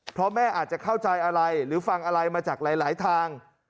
เพราะแม่อาจจะเข้าใจอะไรหรือฟังอะไรมาจากหลายทาง